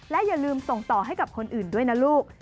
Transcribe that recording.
และอย่าลืมส่งต่อให้กับคนอื่นด้วยนะลูก